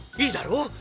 いいだろう？